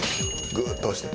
グーッと押して。